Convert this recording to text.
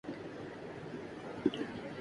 ہم اس دن کے لئے کوشش کررہے ہیں